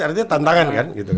artinya tantangan kan